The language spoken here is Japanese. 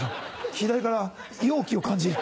左から妖気を感じる。